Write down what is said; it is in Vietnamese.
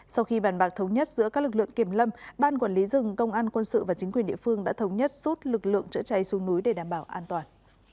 sau khi bàn bạc thống nhất giữa các lực lượng kiểm lâm ban quản lý rừng công an quân sự và chính quyền địa phương đã thống nhất rút lực lượng chữa cháy xuống núi để đảm bảo an toàn